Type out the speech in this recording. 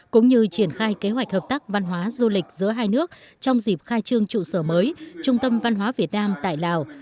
cũng như triển khai kế hoạch hợp tác văn hóa du lịch giữa hai nước trong dịp khai trương trụ sở mới trung tâm văn hóa việt nam tại lào